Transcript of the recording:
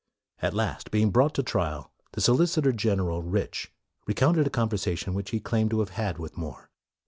At last, being brought to trial, the so licitor general, Rich, recounted a conver sation which he claimed to have had with More.